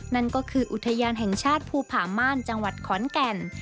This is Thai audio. นั่นก็คืออุทยานแห่งชาติภูผาม่านจังหวัดขอนแก่น